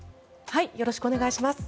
よろしくお願いします。